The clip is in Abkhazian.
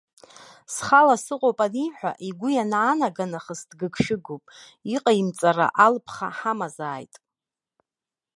Схала сыҟоуп аниҳәа, игәы ианаанага нахыс дгыгшәыгуп, иҟаимҵара алԥха ҳамазааит!